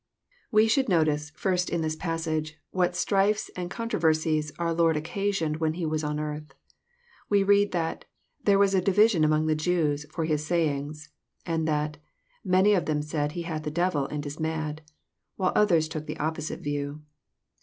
We sboald notice, first, in this passage, what strifes and oon troversies our Lord occasioned when He was on earth. We read that ^^ there was a division among the Jews for His sayings," — and that '' many of them said He hath a devil, and is mad," while others took an opposite view.